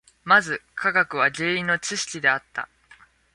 まず科学は原因の知識であった。